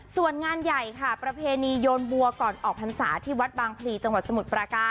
ส่วนงานใหญ่ค่ะประเพณีโยนบัวก่อนออกพรรษาที่วัดบางพลีจังหวัดสมุทรปราการ